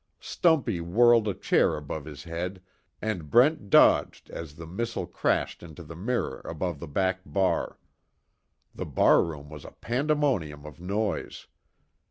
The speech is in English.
Stumpy whirled a chair above his head and Brent dodged as the missile crashed into the mirror above the back bar. The bar room was a pandemonium of noise.